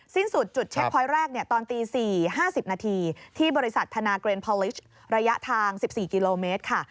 สิ้นสุดจุดเช็คพอยต์แรกตอนตี๔๕๐นาทีที่บริษัทธนาเกรนพอลิชระยะทาง๑๔กิโลเมตรค่ะ